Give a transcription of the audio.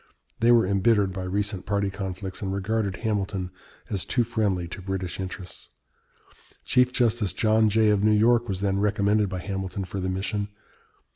They were embittered by recent party conflicts, and regarded Hamilton as too friendly to British interests. Chief Justice John Jay of New York was then recommended by Hamilton for the mission.